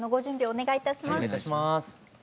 お願いいたします。